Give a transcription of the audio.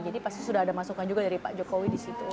jadi pasti sudah ada masukan juga dari pak jokowi di situ